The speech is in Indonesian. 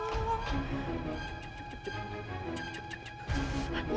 cukup cukup cukup